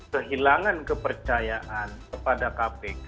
kehilangan kepercayaan kepada kpk